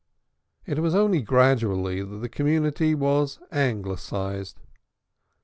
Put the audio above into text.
It was only gradually that the community was Anglicized.